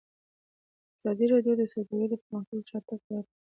ازادي راډیو د سوداګري پرمختګ او شاتګ پرتله کړی.